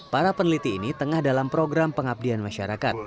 para peneliti ini tengah dalam program pengabdian masyarakat